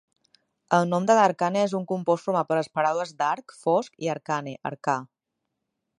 El nom de Darkane és un compost format per les paraules "dark" (fosc) i "arcane" (arcà).